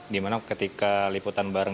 di mana ketika liputan barang